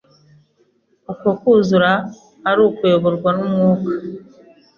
'uko kwuzura ari ukuyoborwa n’Umwuka